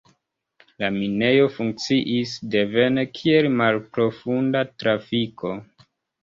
La minejo funkciis devene kiel malprofunda trafiko.